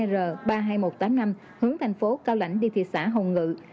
năm mươi một r ba mươi hai nghìn một trăm tám mươi năm hướng thành phố cao lãnh đi thị xã hồng ngự